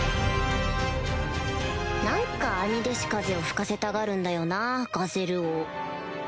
何かあに弟子風を吹かせたがるんだよなぁガゼル王